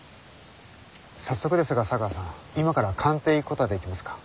早速ですが茶川さん今から官邸へ行くことはできますか？